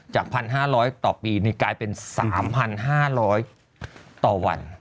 ๑๕๐๐ต่อปีนี่กลายเป็น๓๕๐๐ต่อวัน